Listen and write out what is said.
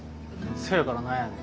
そやから何やねん？